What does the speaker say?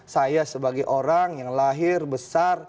saya sebagai orang yang lahir besar